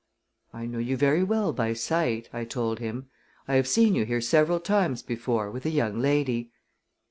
"I know you very well by sight," I told him. "I have seen you here several times before with a young lady."